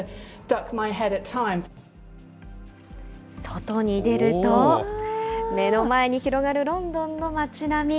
外に出ると、目の前に広がるロンドンの町並み。